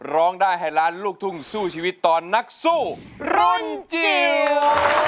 ร้องได้ให้ล้านลูกทุ่งสู้ชีวิตตอนนักสู้รุ่นจิ๋ว